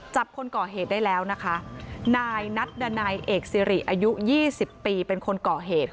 จับคนก่อเหตุได้แล้วนะคะนายนัดดันัยเอกสิริอายุ๒๐ปีเป็นคนก่อเหตุ